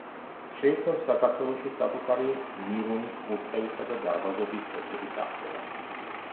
შეიცავს საქართველოში საკუთარი მირონის კურთხევისა და დარბაზობის წესების აღწერას.